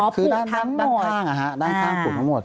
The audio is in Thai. อ๋อหูคือด้านทางผูกทั้งหมด